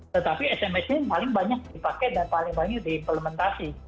tetapi sms ini paling banyak dipakai dan paling banyak diimplementasi